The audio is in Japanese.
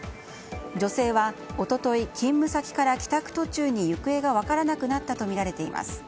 女性は一昨日勤務先から帰宅途中に行方が分からなくなったとみられています。